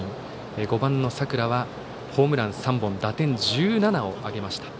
５番の佐倉はホームラン３本打点１７を挙げました。